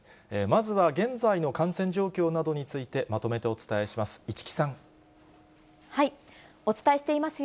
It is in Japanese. まずは現在の感染状況などについて、まとめてお伝えします。